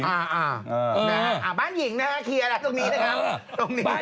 อ่าอ่าบ้านหญิงนะคะเคลียร์ละตรงนี้นะครับ